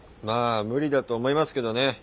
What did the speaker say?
まあ無理だと思いますけどね。